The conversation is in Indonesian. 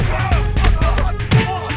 pak jaga sini